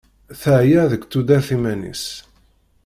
Teɛya deg tudert iman-is.